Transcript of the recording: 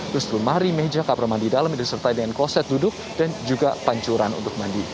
terus lumari meja kabar mandi dalam yang disertai dengan kloset duduk dan juga pancuran untuk mandi